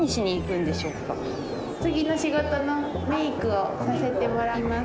次の仕事のメイクをさせてもらいます。